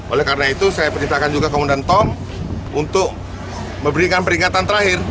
oleh karena itu saya perintahkan juga komandan tom untuk memberikan peringatan terakhir